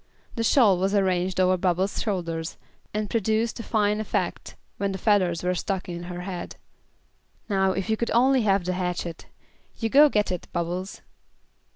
The shawl was arranged over Bubbles' shoulders, and produced a fine effect, when the feathers were stuck in her head. "Now if you could only have the hatchet. You go get it, Bubbles."